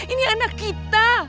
ini anak kita